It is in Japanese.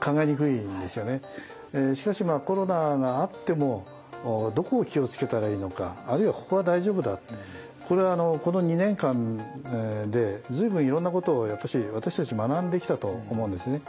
しかしコロナがあってもどこを気をつけたらいいのかあるいはここは大丈夫だこれはこの２年間で随分いろんなことをやっぱし私たち学んできたと思うんですね。